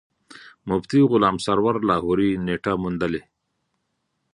مفتي غلام سرور لاهوري نېټه موندلې.